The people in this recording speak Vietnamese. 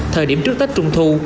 thời điểm trước tết trung thu